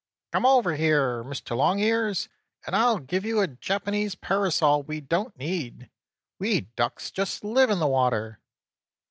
Quack! Quack! Come over here, Mr. Longears, and I'll give you a Japanese parasol we don't need. We ducks just live in the water."